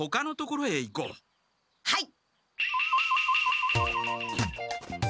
はい。